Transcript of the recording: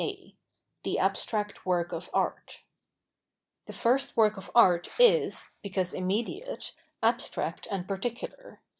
a The Abstract Work of Art TLe first work of art is, because immediate, abstract and particular.